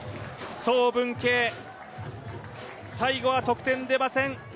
曾文ケイ、最後は得点出ません。